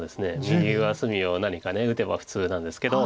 右上隅を何か打てば普通なんですけど。